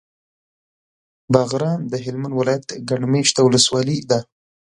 باغران د هلمند ولایت ګڼ مېشته ولسوالي ده.